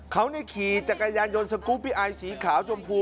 เขาขี่จักรยานยนต์สกูปปี้ไอสีขาวชมพู